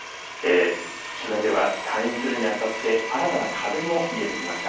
取材では、退院するにあたって新たな壁も見えてきました。